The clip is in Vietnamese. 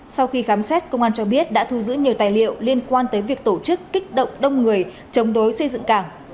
sau khi khám xét công an cho biết đã thu giữ nhiều tài liệu liên quan tới việc tổ chức kích động đông người chống đối xây dựng cảng